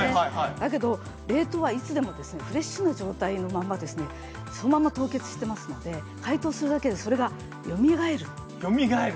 だけど冷凍はいつでもフレッシュそのまま凍結していますので解凍するだけでそれでよみがえる。